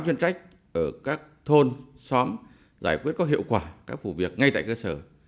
chuyên trách ở các thôn xóm giải quyết có hiệu quả các vụ việc ngay tại cơ sở